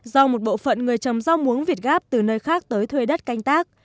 do một bộ phận người trồng rau muống việt gáp từ nơi khác tới thuê đất canh tác